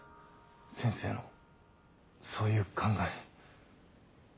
先生のそういう考え。